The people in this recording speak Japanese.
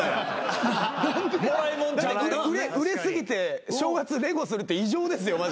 売れ過ぎて正月レゴするって異常ですよマジ。